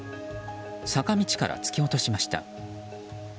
坂道から突き落としました。